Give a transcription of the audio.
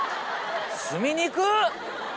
住みにくっ！